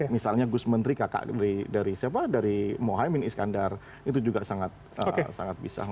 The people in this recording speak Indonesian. misalnya gus menteri kakak dari moa hai min iskandar itu juga sangat bisa